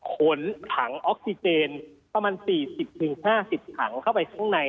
ขนถังออกซิเจนประมาณ๔๐๕๐ถังเข้าไปข้างใน